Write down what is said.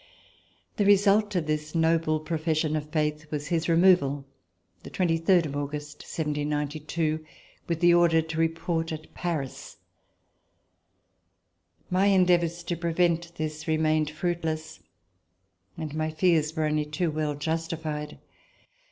The result of this noble profes sion of faith was his removal, the 23 August, 1792, with the order to report at Paris. My endeavors to prevent this remained fruitless and my fears were only too well justified.